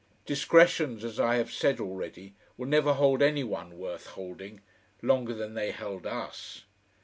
Discretions, as I have said already, will never hold any one worth holding longer than they held us.